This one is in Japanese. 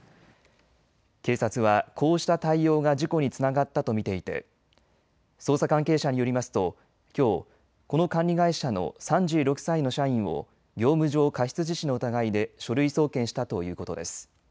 警察はこうした対応が事故につながったと見ていて捜査関係者によりますときょうこの管理会社の３６歳の社員を業務上過失致死の疑いで書類送検したということです。